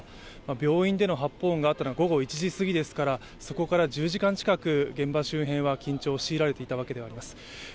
病院での発砲音があったのは午後１時すぎですから、そこから１０時間近く現場周辺は緊張を強いられていたわけです。